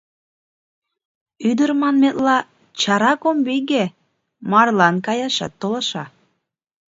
Ӱдыр, манметла, чара комбиге — марлан каяшат толаша.